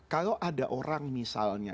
kalau ada orang misalnya